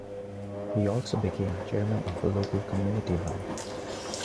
He also became chairman of a local community bank.